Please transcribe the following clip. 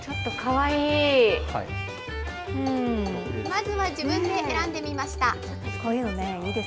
まずは自分で選んでみました。